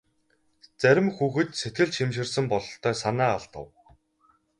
Зарим хүүхэд сэтгэл шимширсэн бололтой санаа алдав.